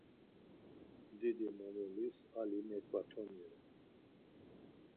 Didi mamulis ali meǩvatoni ren.